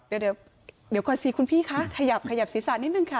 เดี๋ยวกดซีขั้นพี่ค่ะขยับสีสานนิดหนึ่งค่ะ